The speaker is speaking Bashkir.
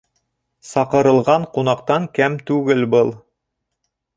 Саҡырылған ҡунаҡтан кәм түгел был!